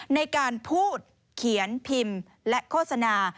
ในการพูดเขียนพิมพ์และโฆษณา